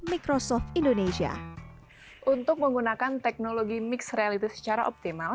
microsoft indonesia untuk menggunakan teknologi mixed reality secara optimal